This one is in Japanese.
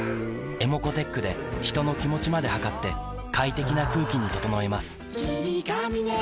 ｅｍｏｃｏーｔｅｃｈで人の気持ちまで測って快適な空気に整えます